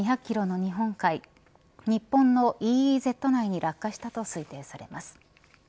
日本のＥＥＺ内に落下したと推定されます。